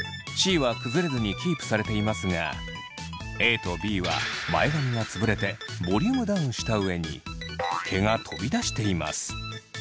Ｃは崩れずにキープされていますがＡとＢは前髪が潰れてボリュームダウンした上に毛が飛び出しています。